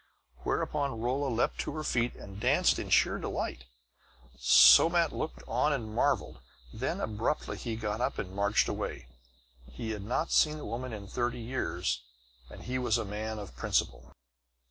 Whereupon Rolla leaped to her feet and danced in sheer delight. Somat looked on and marveled. Then, abruptly, he got up and marched away. He had not seen a woman in thirty years; and he was a man of principle.